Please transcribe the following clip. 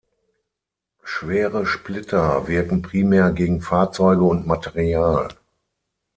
Schwere Splitter wirken primär gegen Fahrzeuge und Material.